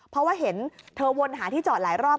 เพราะว่าเห็นเธอวนหาที่จอดหลายรอบ